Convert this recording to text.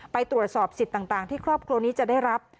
ไปตรวจสอบสิทธิ์ต่างที่ครอบครัวนี้จะได้รับ